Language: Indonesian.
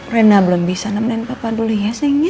rena belum bisa nemenin papa dulu ya